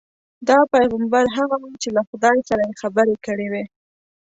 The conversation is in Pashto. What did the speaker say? دا پیغمبر هغه وو چې له خدای سره یې خبرې کړې وې.